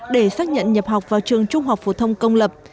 để xác nhận nhập học vào trường trung học phổ thông công lập